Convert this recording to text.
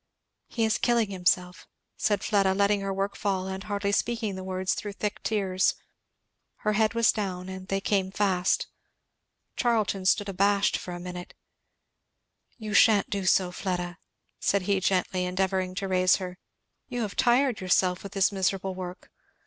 "He is killing himself! " said Fleda, letting her work fall and hardly speaking the words through thick tears. Her head was down and they came fast. Charlton stood abashed for a minute. "You sha'n't do so, Fleda," said he gently, endeavouring to raise her, "you have tired yourself with this miserable work!